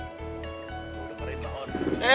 udah keren baon